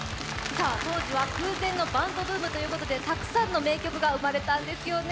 当時は空前のバンドブームということでたくさんの名曲が生まれたんですよね。